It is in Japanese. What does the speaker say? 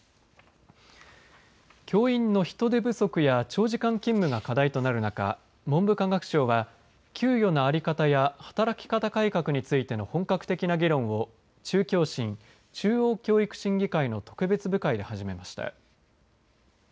教員の人手不足や長時間勤務が課題となる中文部科学省は給与の在り方や働き方改革についての本格的な議論を中教審、中央教育審議会の特別部会で始めました。